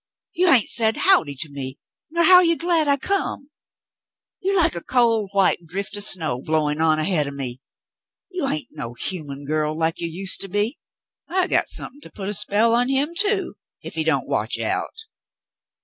Ye hain't said howd'y to me nor how you glad I come. You like a col' white drift o' snow blowin' on ahead o' me. You hain't no human girl like you used to be. I got somethin' to put a spell on him, too, ef he don't watch out."